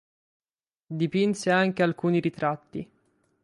Dipinse anche alcuni ritratti.